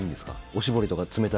おしぼりとかで。